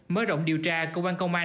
mới rộng điều tra công an công an